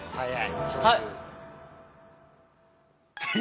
はい！